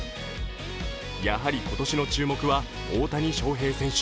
やはり今年の注目は大谷翔平選手。